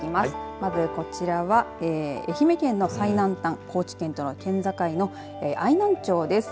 まずこちらは愛媛県の最南端高知県との県境の愛南町です。